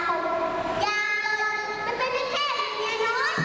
การแม่โน้นมักอิ่มเอง